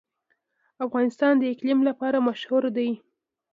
افغانستان د اقلیم لپاره مشهور دی.